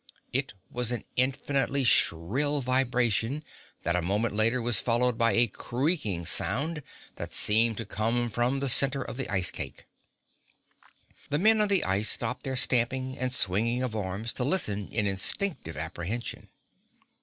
It was an infinitely shrill vibration that a moment later was followed by a creaking sound that seemed to come from the center of the ice cake. The men on the ice stopped their stamping and swinging of arms to listen in instinctive apprehension.